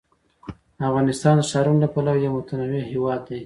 افغانستان د ښارونو له پلوه یو متنوع هېواد دی.